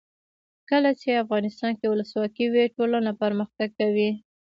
کله چې افغانستان کې ولسواکي وي ټولنه پرمختګ کوي.